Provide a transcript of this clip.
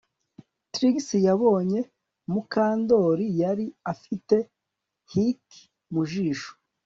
Trix yabonye ko Mukandoli yari afite hickie mu ijosi